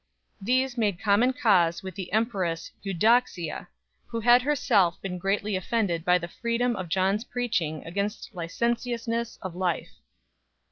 These made common cause with the em press Eudoxia, who had herself been greatly offended by the freedom of John s preaching against licentiousness of life.